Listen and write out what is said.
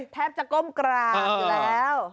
แทบจะก้มกราบแล้ว